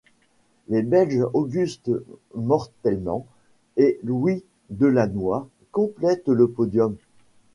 Les Belges August Mortelmans et Louis Delannoy complètent le podium.